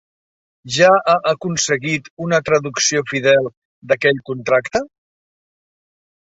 Ja ha aconseguit una traducció fidel d'aquell contracte?